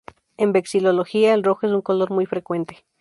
En vexilología, el rojo es un color muy frecuente.